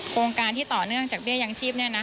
โครงการที่ต่อเนื่องจากเบี้ยอย่างชีพเนี่ยนะ